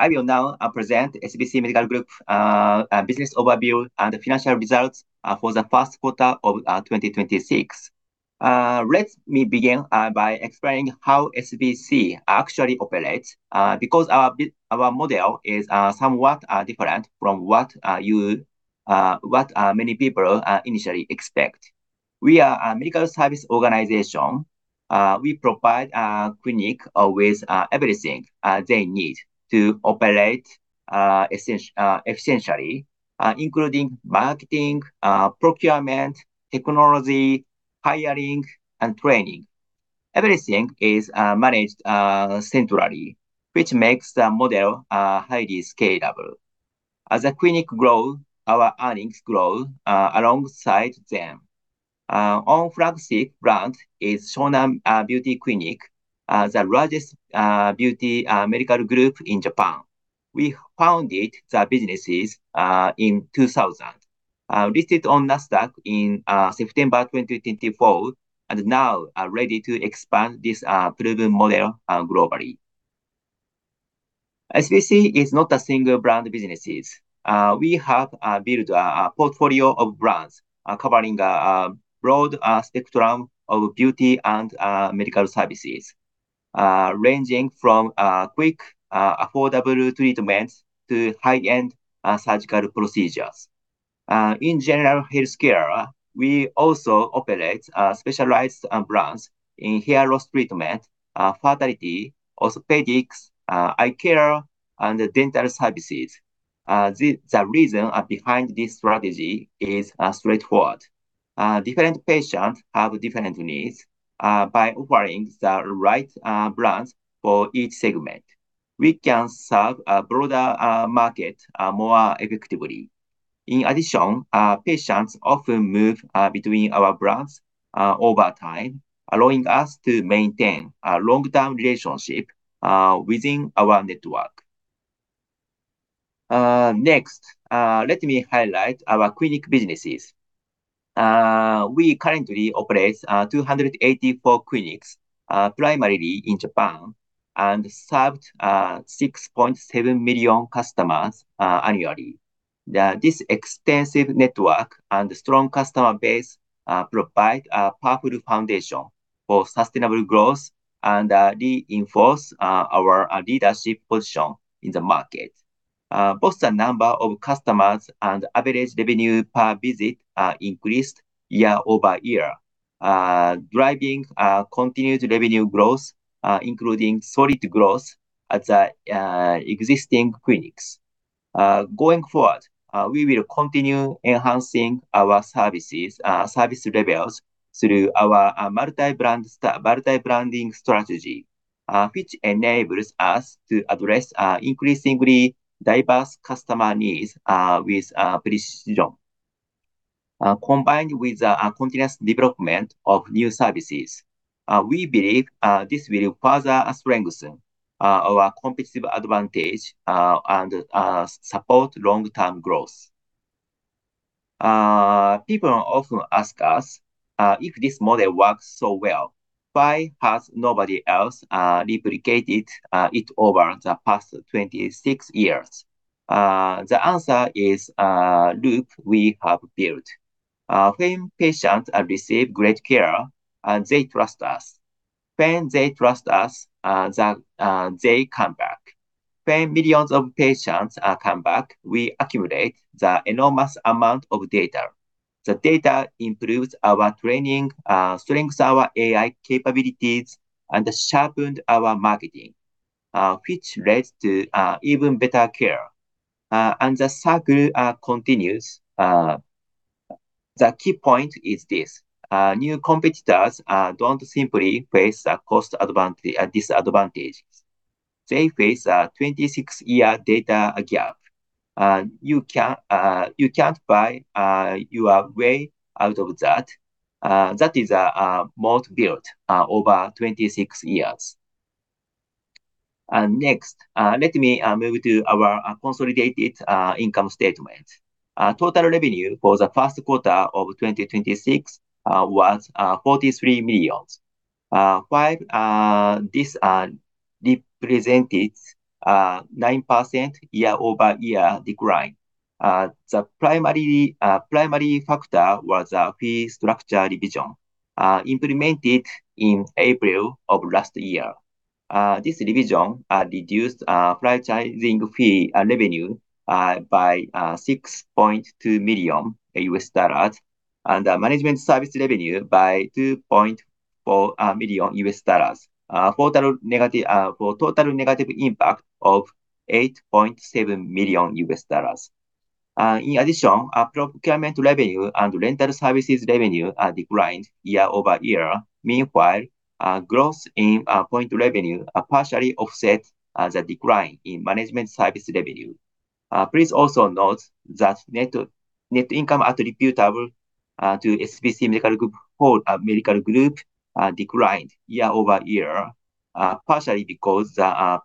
I will now present SBC Medical Group business overview and financial results for the first quarter of 2026. Let me begin by explaining how SBC actually operates, because our model is somewhat different from what many people initially expect. We are a Medical Services Organization. We provide clinics with everything they need to operate essentially, including marketing, procurement, technology, hiring, and training. Everything is managed centrally, which makes the model highly scalable. As the clinics grow, our earnings grow alongside them. Our flagship brand is Shonan Beauty Clinic, the largest beauty medical group in Japan. We founded the business in 2000, listed on Nasdaq in September 2024, now are ready to expand this proven model globally. SBC is not a single-brand business. We have built a portfolio of brands covering a broad spectrum of beauty and medical services, ranging from quick, affordable treatments to high-end surgical procedures. In general healthcare, we also operate specialized brands in hair loss treatment, fertility, orthopedics, eye care, and dental services. The reason behind this strategy is straightforward. By offering the right brands for each segment, we can serve a broader market more effectively. In addition, patients often move between our brands over time, allowing us to maintain a long-term relationship within our network. Next, let me highlight our clinic business. We currently operate 284 clinics, primarily in Japan, and served 6.7 million customers annually. This extensive network and strong customer base provide a powerful foundation for sustainable growth and reinforce our leadership position in the market. Both the number of customers and average revenue per visit increased year-over-year, driving continued revenue growth, including solid growth at the existing clinics. Going forward, we will continue enhancing our service levels through our multi-branding strategy, which enables us to address increasingly diverse customer needs with precision. Combined with the continuous development of new services, we believe this will further strengthen our competitive advantage and support long-term growth. People often ask us, "If this model works so well, why has nobody else replicated it over the past 26 years?" The answer is a loop we have built. When patients receive great care, they trust us. When they trust us, they come back. When millions of patients come back, we accumulate the enormous amount of data. The data improves our training, strengthens our AI capabilities, and sharpens our marketing, which leads to even better care. The circle continues. The key point is this. New competitors don't simply face a cost disadvantage. They face a 26-year data gap. You can't buy your way out of that. That is a moat built over 26 years. Next, let me move to our consolidated income statement. Total revenue for the first quarter of 2026 was 43 million. While this represented 9% year-over-year decline, the primary factor was a fee structure revision implemented in April of last year. This revision reduced franchising fee revenue by $6.2 million, and management service revenue by $2.4 million, for total negative impact of. In addition JPY 8.7 millionn, our procurement revenue and rental services revenue declined year-over-year. Meanwhile, growth in point revenue partially offset the decline in management service revenue. Please also note that net income attributable to SBC Medical Group Holdings declined year-over-year, partially because the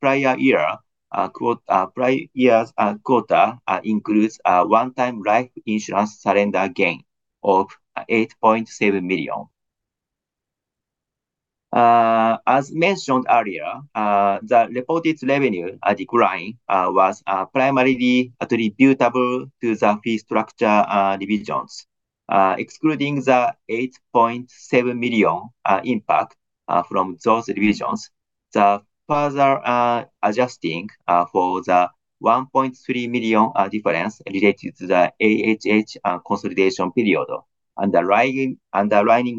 prior year's quota includes a one-time life insurance surrender gain of 8.7 million. As mentioned earlier, the reported revenue decline was primarily attributable to the fee structure revisions. Excluding the 8.7 million impact from those revisions, further adjusting for the 1.3 million difference related to the AHH consolidation period, underlying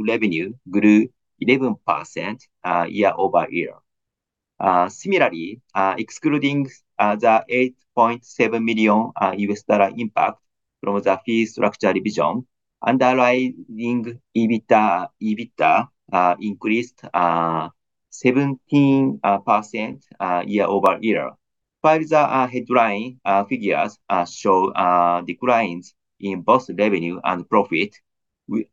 revenue grew 11% year-over-year. Similarly, excluding the JPY 8.7 million impact from the fee structure revision, underlying EBITDA increased 17% year-over-year. While the headline figures show declines in both revenue and profit,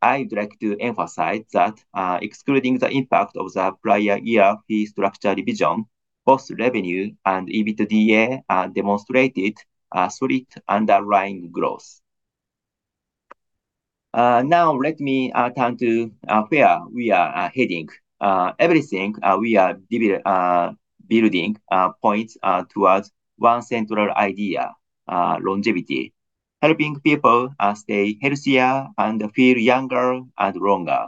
I'd like to emphasize that excluding the impact of the prior year fee structure revision, both revenue and EBITDA demonstrated solid underlying growth. Let me turn to where we are heading. Everything we are building points towards one central idea: longevity, helping people stay healthier and feel younger and longer.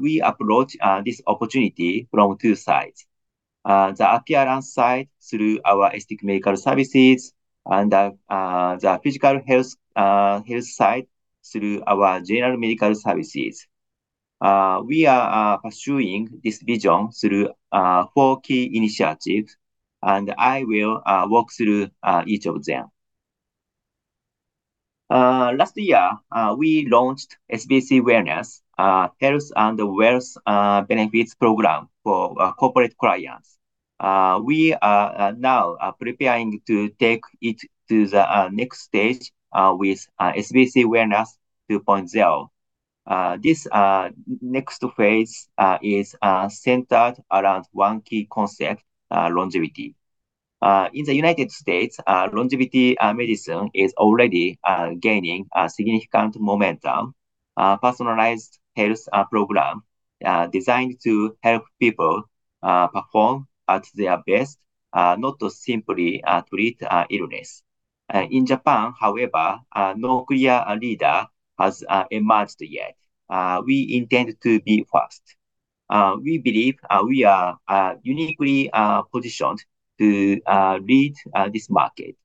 We approach this opportunity from two sides. The appearance side through our aesthetic medical services, and the physical health side through our general medical services. We are pursuing this vision through four key initiatives, and I will walk through each of them. Last year, we launched SBC Wellness, health and wealth benefits program for corporate clients. We are now preparing to take it to the next stage with SBC Wellness 2.0. This next phase is centered around one key concept, longevity. In the U.S., longevity medicine is already gaining significant momentum. A personalized health program designed to help people perform at their best, not to simply treat illness. In Japan, however, no clear leader has emerged yet. We intend to be first. We believe we are uniquely positioned to lead this market.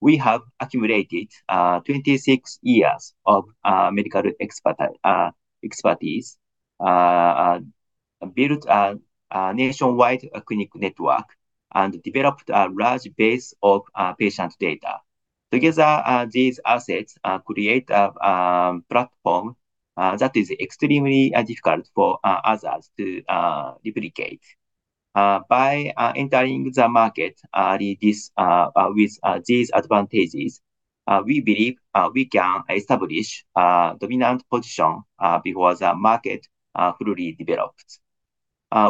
We have accumulated 26 years of medical expertise, built a nationwide clinic network, and developed a large base of patient data. Together, these assets create a platform that is extremely difficult for others to duplicate. By entering the market with these advantages, we believe we can establish a dominant position before the market fully develops.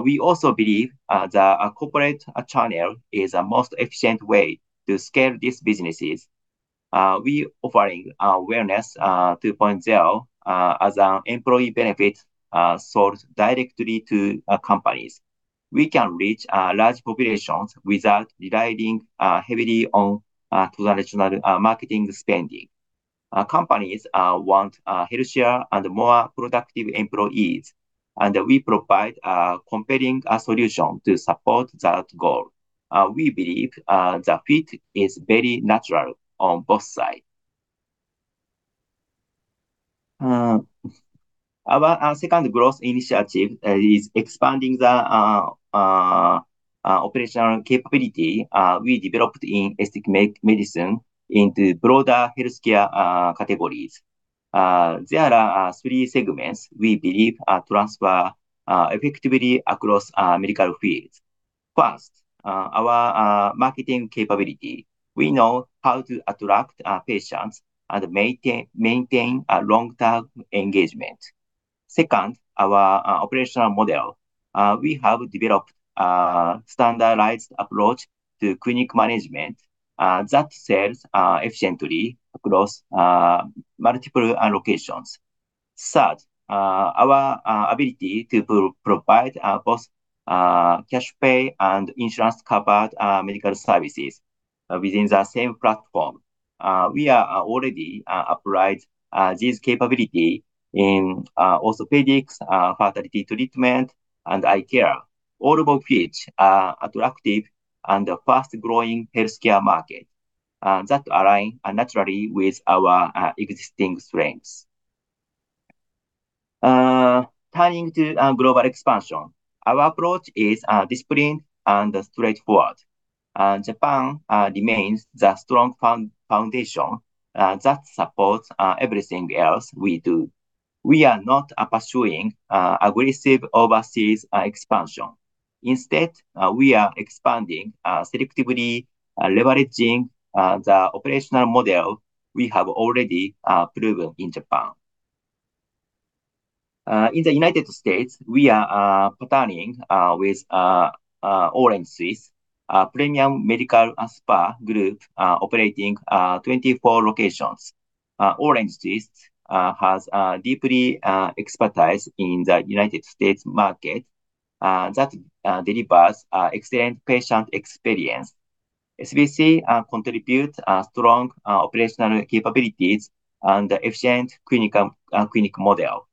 We also believe the corporate channel is the most efficient way to scale these businesses. We offering Wellness 2.0 as an employee benefit sold directly to companies. We can reach large populations without relying heavily on traditional marketing spending. Companies want healthier and more productive employees, and we provide a competing solution to support that goal. We believe the fit is very natural on both sides. Our second growth initiative is expanding the operational capability we developed in aesthetic medicine into broader healthcare categories. There are three segments we believe transfer effectively across medical fields. First, our marketing capability. We know how to attract patients and maintain a long-term engagement. Second, our operational model. We have developed a standardized approach to clinic management that serves efficiently across multiple locations. Third, our ability to provide both cash pay and insurance-covered medical services within the same platform. We are already applied this capability in orthopedics, fertility treatment, and eye care. All of which are attractive and fast-growing healthcare market that align naturally with our existing strengths. Turning to global expansion, our approach is disciplined and straightforward. Japan remains the strong foundation that supports everything else we do. We are not pursuing aggressive overseas expansion. Instead, we are expanding selectively, leveraging the operational model we have already proven in Japan. In the U.S., we are partnering with OrangeTwist, a premium medical spa group operating 24 locations. OrangeTwist has deep expertise in the U.S. market that delivers excellent patient experience. SBC contributes strong operational capabilities and efficient clinic model.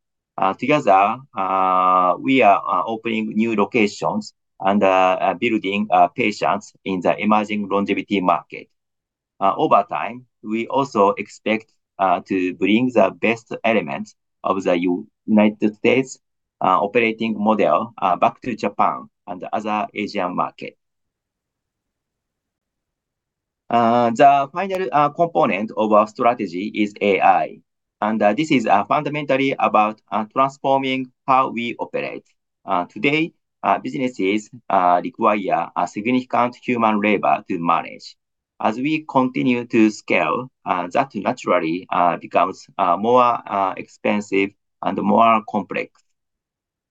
Together, we are opening new locations and building patients in the emerging longevity market. Over time, we also expect to bring the best elements of the U.S. operating model back to Japan and other Asian markets. The final component of our strategy is AI, and this is fundamentally about transforming how we operate. Today, businesses require significant human labor to manage. As we continue to scale, that naturally becomes more expensive and more complex.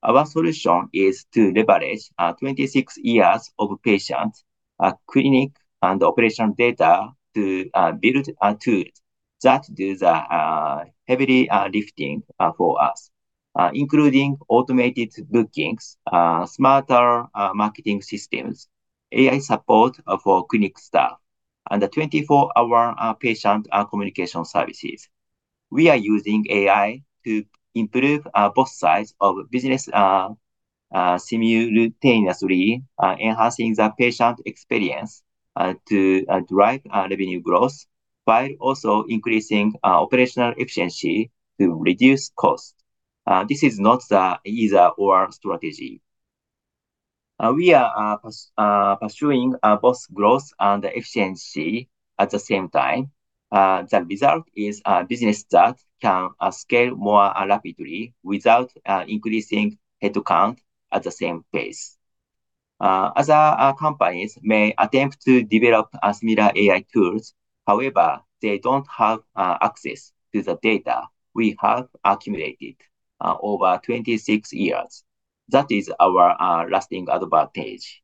Our solution is to leverage 26 years of patient, clinic, and operational data to build a tool that does the heavy lifting for us, including automated bookings, smarter marketing systems, AI support for clinic staff, and 24-hour patient communication services. We are using AI to improve both sides of business simultaneously, enhancing the patient experience to drive revenue growth while also increasing operational efficiency to reduce costs. This is not the either/or strategy. We are pursuing both growth and efficiency at the same time. The result is a business that can scale more rapidly without increasing headcount at the same pace. Other companies may attempt to develop similar AI tools. However, they don't have access to the data we have accumulated over 26 years. That is our lasting advantage.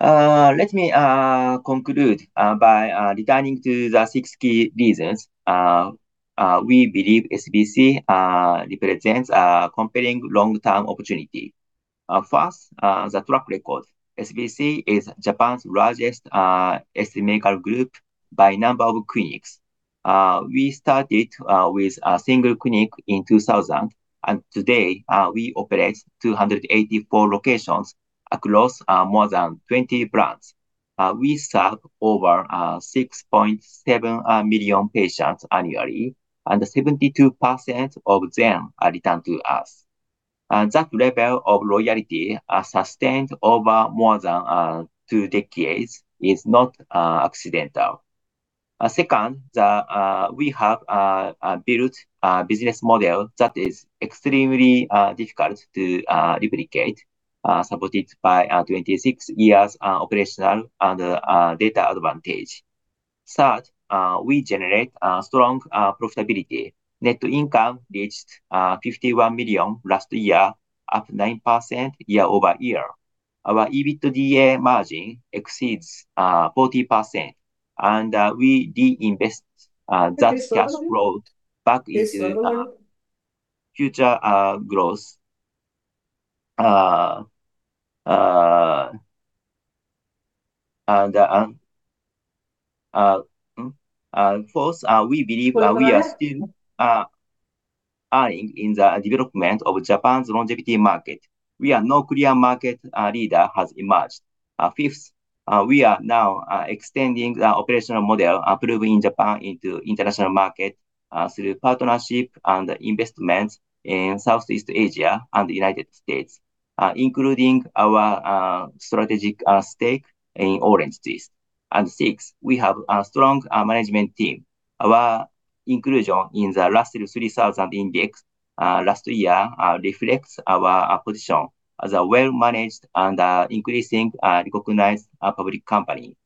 Let me conclude by returning to the six key reasons we believe SBC represents a compelling long-term opportunity. First, the track record. SBC is Japan's largest aesthetic medical group by number of clinics. We started with a single clinic in 2000, and today we operate 284 locations across more than 20 brands. We serve over 6.7 million patients annually, and 72% of them return to us. That level of loyalty, sustained over more than two decades, is not accidental. Second, we have built a business model that is extremely difficult to replicate, supported by 26 years of operational and data advantage. Third, we generate strong profitability. Net income reached 51 million last year, up 9% year-over-year. Our EBITDA margin exceeds 40%, and we reinvest that cash flow back into future growth. Fourth, we believe that we are still early in the development of Japan's longevity market, where no clear market leader has emerged. Fifth, we are now extending the operational model proven in Japan into international markets through partnerships and investments in Southeast Asia and the U.S., including our strategic stake in OrangeTwist. Sixth, we have a strong management team. Our inclusion in the Russell 3000 Index last year reflects our position as a well-managed and increasingly recognized public company.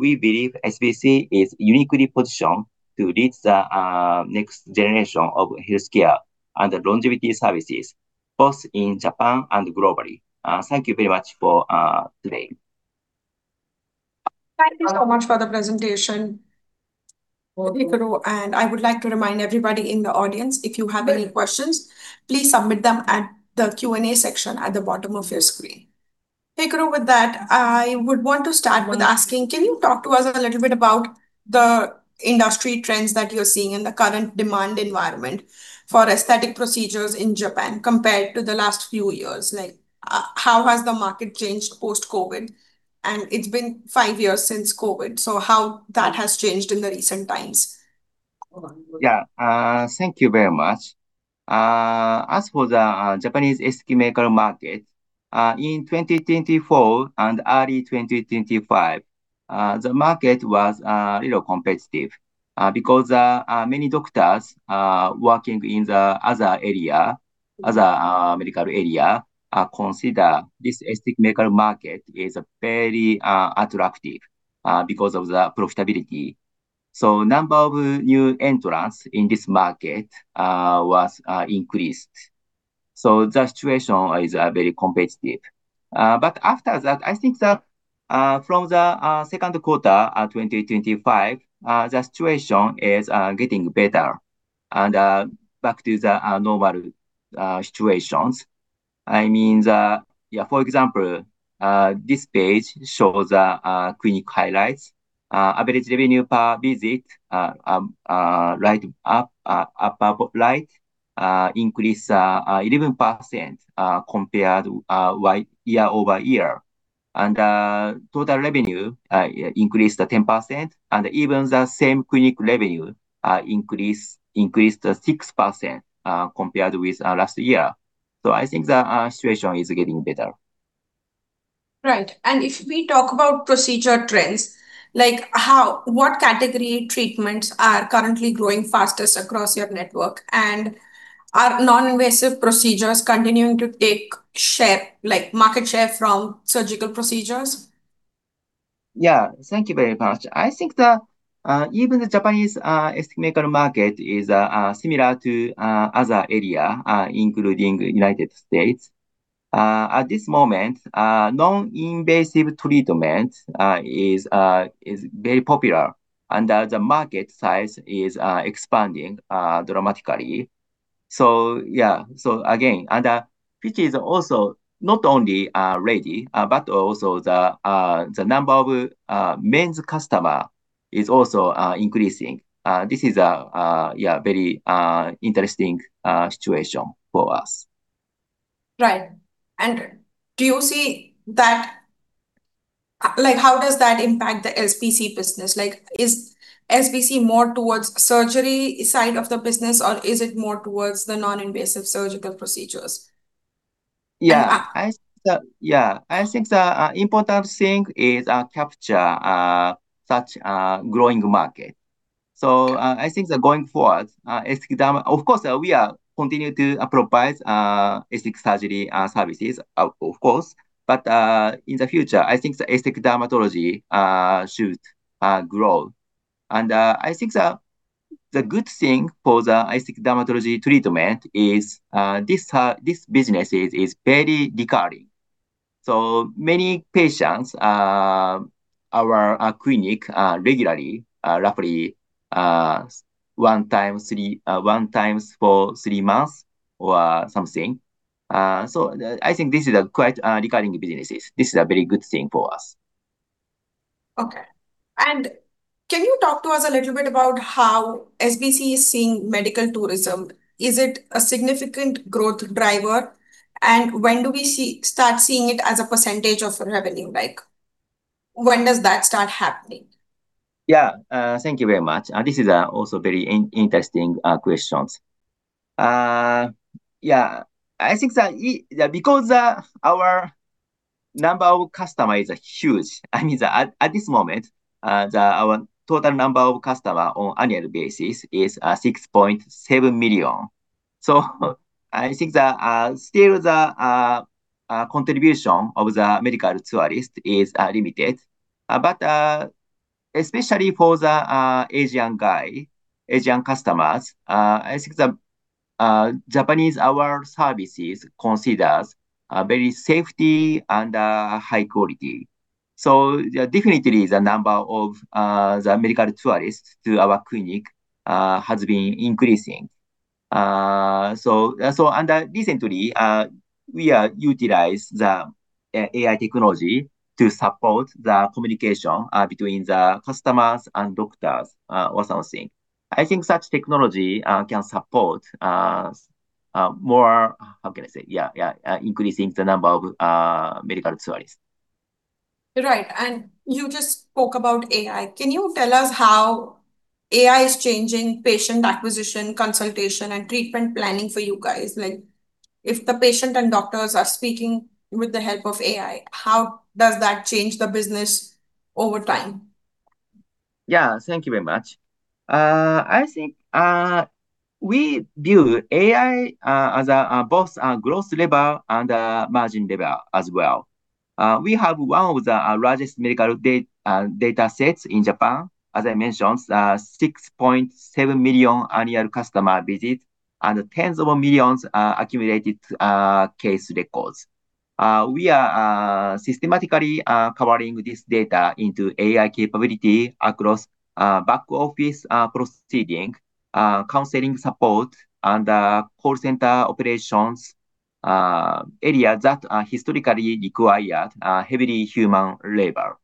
We believe SBC is uniquely positioned to lead the next generation of healthcare and longevity services, both in Japan and globally. Thank you very much for today. Thank you so much for the presentation, Hikaru. I would like to remind everybody in the audience, if you have any questions, please submit them at the Q&A section at the bottom of your screen. Hikaru, with that, I would want to start with asking, can you talk to us a little bit about the industry trends that you're seeing in the current demand environment for aesthetic procedures in Japan compared to the last few years? How has the market changed post-COVID? It's been five years since COVID, how that has changed in the recent times. Yeah. Thank you very much. As for the Japanese aesthetic medical market, in 2024 and early 2025, the market was a little competitive because many doctors working in the other medical areas considered this aesthetic medical market as very attractive because of the profitability. The number of new entrants in this market increased. The situation is very competitive. After that, I think that from the second quarter of 2025, the situation is getting better and back to the normal situations. For example, this page shows the clinic highlights, average revenue per visit, right up above light, increase 11% compared year-over-year. Total revenue increased to 10% and even the same clinic revenue increased to 6% compared with last year. I think the situation is getting better. Right. If we talk about procedure trends, what category treatments are currently growing fastest across your network? Are non-invasive procedures continuing to take market share from surgical procedures? Yeah. Thank you very much. I think that even the Japanese aesthetic medical market is similar to other area, including U.S. At this moment, non-invasive treatment is very popular, and the market size is expanding dramatically. Yeah. Again, and which is also not only ladies, but also the number of men's customer is also increasing. This is a very interesting situation for us. Right. How does that impact the SBC business? Is SBC more towards surgery side of the business, or is it more towards the non-invasive surgical procedures? Yeah. I think the important thing is capture such a growing market. I think that going forward, of course, we continue to provide aesthetic surgery services, of course. In the future, I think the aesthetic dermatology should grow. I think the good thing for the aesthetic dermatology treatment is this business is very recurring. Many patients, our clinic regularly, roughly one time for three months or something. I think this is a quite recurring business. This is a very good thing for us. Okay. Can you talk to us a little bit about how SBC is seeing medical tourism? Is it a significant growth driver, and when do we start seeing it as a percentage of revenue? When does that start happening? Yeah. Thank you very much. This is also very interesting question. Yeah, I think that because our number of customer is huge, I mean, at this moment, our total number of customer on annual basis is 6.7 million. I think that still the contribution of the medical tourist is limited. Especially for the Asian guy, Asian customers, I think the Japanese, our services considers very safety and high quality. Definitely, the number of the medical tourists to our clinic has been increasing. Recently, we utilize the AI technology to support the communication between the customers and doctors or something. I think such technology can support more, how can I say? Yeah, increasing the number of medical tourists. Right. You just spoke about AI. Can you tell us how AI is changing patient acquisition, consultation, and treatment planning for you guys? If the patient and doctors are speaking with the help of AI, how does that change the business over time? Yeah. Thank you very much. I think we view AI as both a growth lever and a margin lever as well. We have one of the largest medical datasets in Japan. As I mentioned, 6.7 million annual customer visit and tens of millions accumulated case records. We are systematically covering this data into AI capability across back-office processing, counseling support, and call center operations areas that historically required heavily human labor.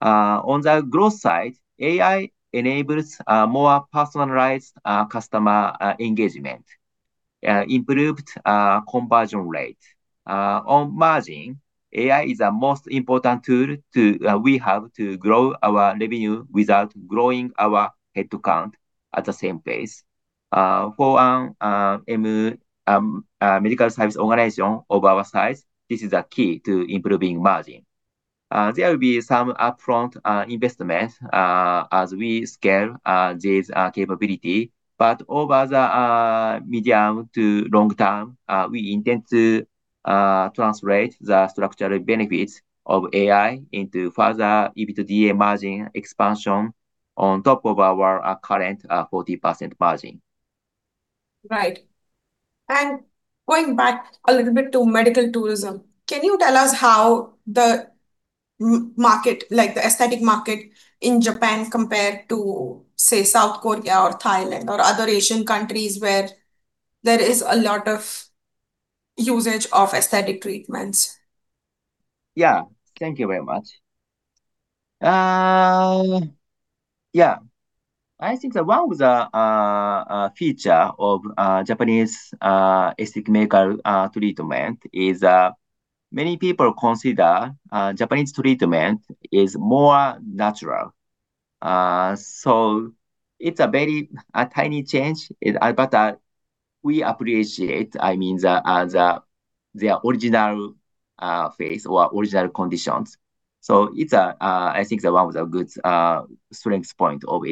On the growth side, AI enables more personalized customer engagement, improved conversion rate. On margin, AI is the most important tool we have to grow our revenue without growing our head count at the same pace. For a Medical Services Organization of our size, this is a key to improving margin. There will be some upfront investment as we scale this capability. Over the medium to long term, we intend to translate the structural benefits of AI into further EBITDA margin expansion on top of our current 40% margin. Right. Going back a little bit to medical tourism, can you tell us how the aesthetic market in Japan compare to, say, South Korea or Thailand or other Asian countries where there is a lot of usage of aesthetic treatments? Thank you very much. I think that one of the feature of Japanese aesthetic medical treatment is many people consider Japanese treatment is more natural. It's a very tiny change, but we appreciate, I mean, their original face or original conditions. It's, I think that one of the good strength point of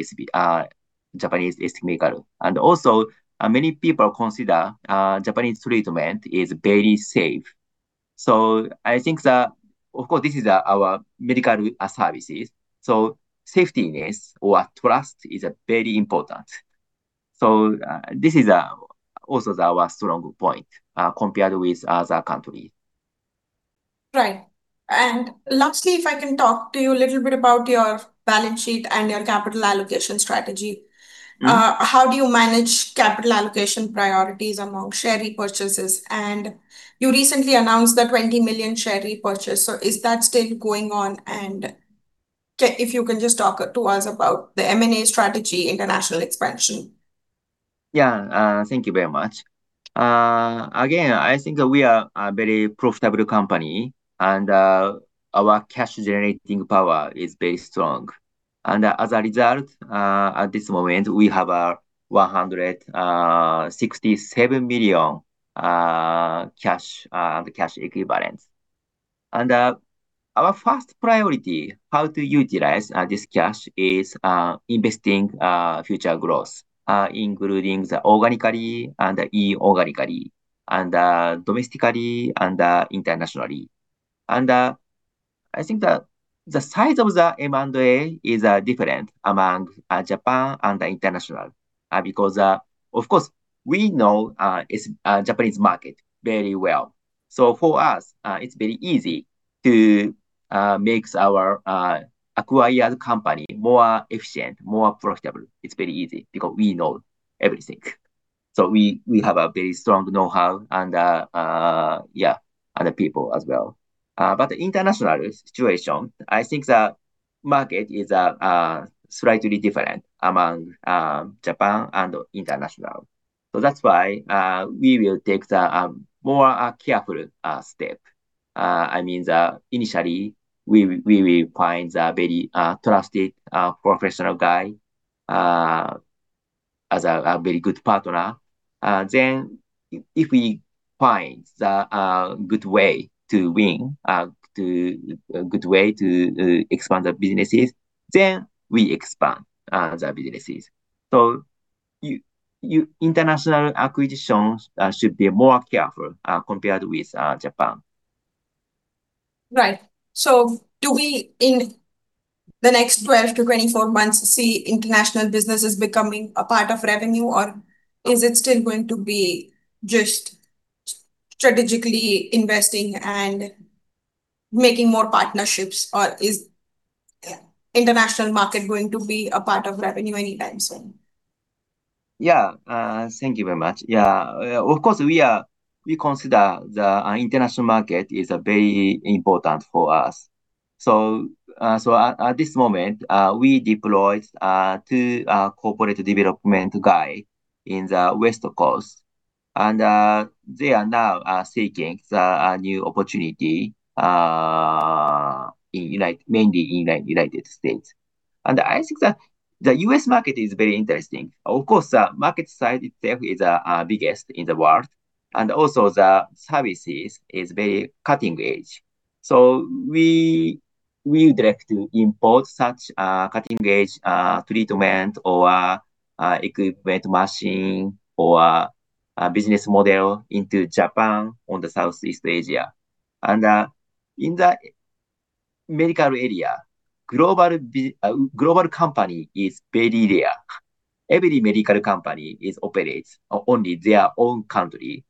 Japanese aesthetic medical. Also, many people consider Japanese treatment is very safe. I think that, of course, this is our medical services, so safetiness or trust is very important. This is also our strong point compared with other country. Right. Lastly, if I can talk to you a little bit about your balance sheet and your capital allocation strategy. How do you manage capital allocation priorities among share repurchases? You recently announced the 20 million share repurchase, is that still going on? If you can just talk to us about the M&A strategy international expansion. Thank you very much. Again, I think we are a very profitable company, our cash-generating power is very strong. As a result, at this moment, we have 167 million cash equivalent. Our first priority, how to utilize this cash, is investing future growth, including the organically and inorganically, domestically and internationally. I think that the size of the M&A is different among Japan and the international, because, of course, we know Japanese market very well. For us, it's very easy to makes our acquired company more efficient, more profitable. It's very easy because we know everything. We have a very strong knowhow and, yeah, other people as well. International situation, I think the market is slightly different among Japan and international. That's why we will take the more careful step. I mean, initially, we will find the very trusted professional guy as a very good partner. If we find the good way to win, a good way to expand the businesses, we expand the businesses. International acquisitions should be more careful compared with Japan. Right. Do we, in the next 12-24 months, see international businesses becoming a part of revenue? Is it still going to be just strategically investing and making more partnerships? Is international market going to be a part of revenue anytime soon? Yeah. Thank you very much. Yeah. Of course, we consider the international market is very important for us. At this moment, we deployed two corporate development guy in the West Coast, and they are now seeking the new opportunity mainly in United States. I think that the U.S. market is very interesting. Of course, the market size itself is biggest in the world, and also the services is very cutting edge. We would like to import such cutting edge treatment or equipment machine or business model into Japan or the Southeast Asia. In the medical area, global company is very rare. Every medical company operates only their own country.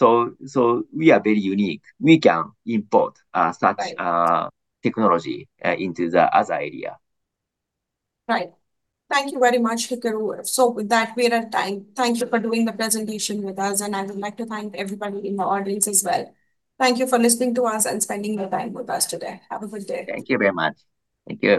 We are very unique. We can import such- Right technology into the other area. Right. Thank you very much, Hikaru. With that, we are at time. Thank you for doing the presentation with us, and I would like to thank everybody in the audience as well. Thank you for listening to us and spending your time with us today. Have a good day. Thank you very much. Thank you